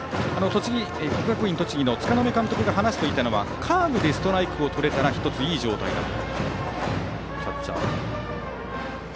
国学院栃木の柄目監督が話していたのはカーブでストライクをとれたら１ついい状態だと。